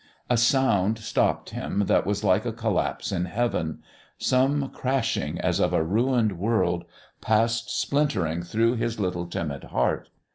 A sound stopped him that was like a collapse in heaven. Some crashing, as of a ruined world, passed splintering through his little timid heart.